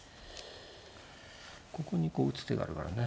ここにこう打つ手があるからね